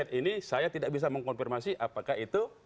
dan chat ini saya tidak bisa mengkonfirmasi apakah itu